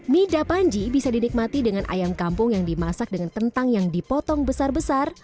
mida panji bisa dinikmati dengan ayam kampung yang dimasak dengan kentang yang dipotong besar besar